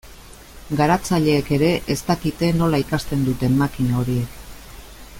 Garatzaileek ere ez dakite nola ikasten duten makina horiek.